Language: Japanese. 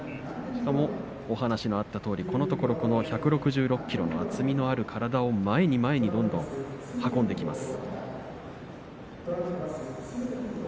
しかもお話にあったとおりこのところ１６６ｋｇ厚みのある体を前に前にどんどん運んできます。